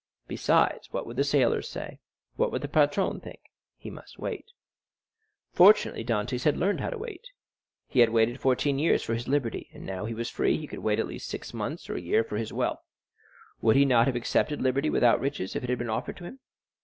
Besides, what would the sailors say? What would the patron think? He must wait. Fortunately, Dantès had learned how to wait; he had waited fourteen years for his liberty, and now he was free he could wait at least six months or a year for wealth. Would he not have accepted liberty without riches if it had been offered to him?